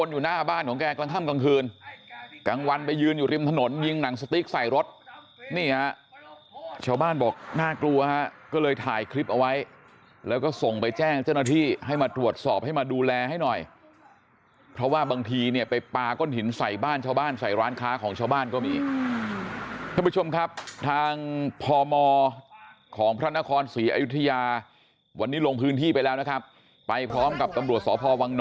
ยืนอยู่ริมถนนยิงหนังสติ๊กใส่รถนี่ชาวบ้านบอกน่ากลัวก็เลยถ่ายคลิปเอาไว้แล้วก็ส่งไปแจ้งเจ้าหน้าที่ให้มาตรวจสอบให้มาดูแลให้หน่อยเพราะว่าบางทีเนี่ยไปปาก้นหินใส่บ้านชาวบ้านใส่ร้านค้าของชาวบ้านก็มีท่านผู้ชมครับทางพมของพระนครศรีอยุธิยาวันนี้ลงพื้นที่ไปแล้วนะครับไปพร้อมกับตำรว